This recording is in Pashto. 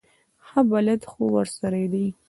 ښه بلد خو ورسره دی.